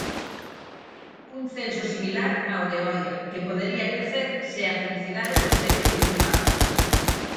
Un censo similar ao de Oia, que podería crecer se a felicidade consegue triunfar.